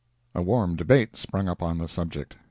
A warm debate sprung up on the subject.